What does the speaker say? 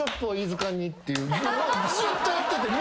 ずっとやってて。